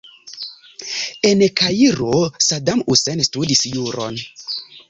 En Kairo Saddam Hussein studis juron.